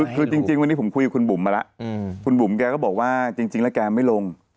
คือจริงวันนี้ผมคุยกับคุณบุ๋มมาแล้วคุณบุ๋มแกก็บอกว่าจริงแล้วแกไม่ลง